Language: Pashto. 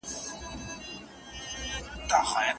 د نکاح له اساسي موخو څخه يو هم د انساني نسل دوام دی.